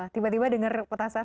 tiba tiba dengar petasan